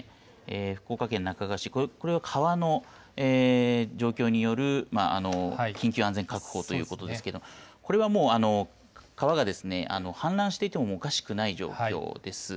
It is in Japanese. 福岡県那珂川市、これは川の状況による緊急安全確保ということですけれども、これはもう、川がですね、氾濫していてもおかしくない状況です。